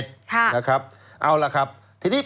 ใครคือน้องใบเตย